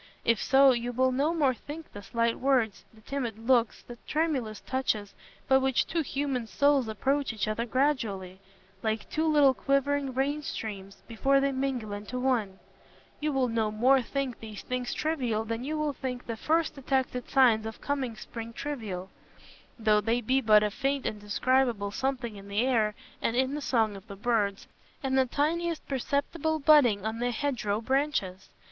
If so, you will no more think the slight words, the timid looks, the tremulous touches, by which two human souls approach each other gradually, like two little quivering rain streams, before they mingle into one—you will no more think these things trivial than you will think the first detected signs of coming spring trivial, though they be but a faint indescribable something in the air and in the song of the birds, and the tiniest perceptible budding on the hedge row branches.